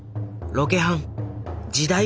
ロケハン時代